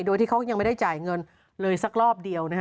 โดยที่เขายังไม่ได้จ่ายเงินเลยสักรอบเดียวนะฮะ